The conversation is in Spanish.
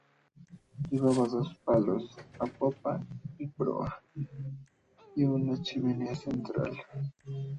Llevaba dos palos, a popa y proa, y una chimenea central.